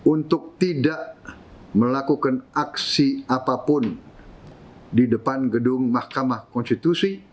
untuk tidak melakukan aksi apapun di depan gedung mahkamah konstitusi